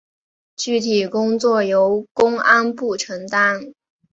具体工作由公安部承担。